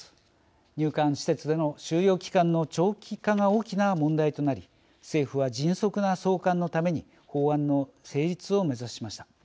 入管施設での収容期間の長期化が大きな問題となり政府は迅速な送還のために法案の成立を目指しました。